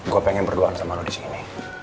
gue pengen berdoaan sama lo disini